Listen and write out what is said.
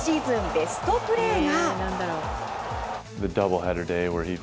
ベストプレーが。